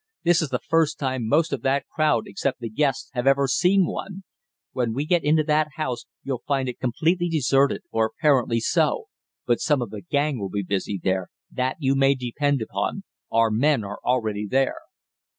This is the first time most of that crowd, except the guests, have ever seen one. When we get into the house you'll find it completely deserted or apparently so. But some of the gang will be busy there, that you may depend upon our men are already there."